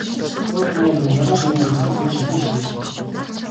Зочид буудалд маань маргааш өглөө есөөс хойш хэзээ ч ирж болно.